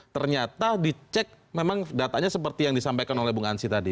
ternyata dicek memang datanya seperti yang disampaikan oleh bung ansi tadi